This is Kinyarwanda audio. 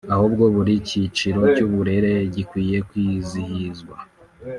ahubwo buri cyiciro cy’uburere gikwiye kwizihizwa